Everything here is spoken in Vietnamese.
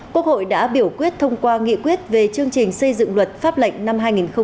quốc hội đã biểu quyết thông qua nghị quyết về chương trình xây dựng luật pháp lệnh năm hai nghìn hai mươi